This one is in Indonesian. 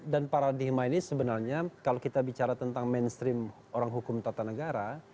dan paradigma ini sebenarnya kalau kita bicara tentang mainstream orang hukum tata negara